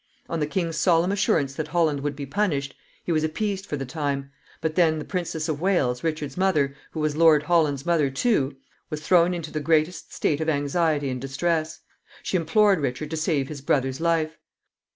On the king's solemn assurance that Holland would be punished, he was appeased for the time; but then the Princess of Wales, Richard's mother, who was Lord Holland's mother too, was thrown into the greatest state of anxiety and distress. She implored Richard to save his brother's life.